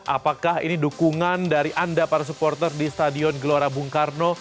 apakah ini dukungan dari anda para supporter di stadion gelora bung karno